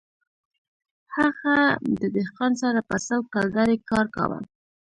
هغه د دهقان سره په سل کلدارې کار کاوه